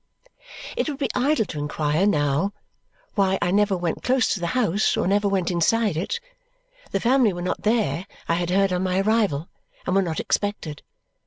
It would be idle to inquire now why I never went close to the house or never went inside it. The family were not there, I had heard on my arrival, and were not expected.